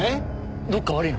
どっか悪いの？